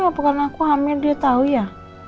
apakah aku hamil dia tau ya